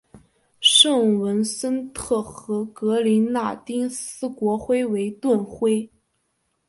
圣文森特和格林纳丁斯国徽为盾徽。